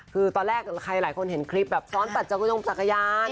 คือตอนแรกใครหลายคนเห็นคลิปแบบซ้อนตัดจักรยงจักรยาน